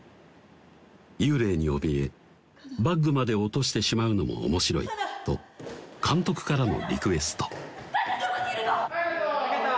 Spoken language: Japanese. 幽霊におびえバッグまで落としてしまうのも面白いと監督からのリクエスト「可奈